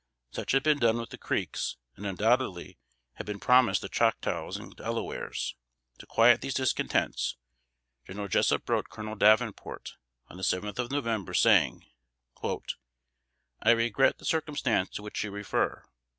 Such had been done with the Creeks, and undoubtedly had been promised the Choctaws and Delawares. To quiet these discontents, General Jessup wrote Colonel Davenport, on the seventh of November, saying, "I regret the circumstance to which you refer.